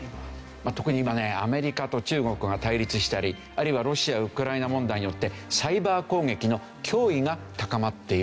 特に今ねアメリカと中国が対立したりあるいはロシアウクライナ問題によってサイバー攻撃の脅威が高まっているんですよね。